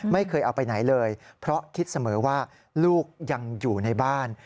ไม่เคยเอาไปไหนเลยเพราะคิดเสมอว่าลูกยังอยู่ในบ้าน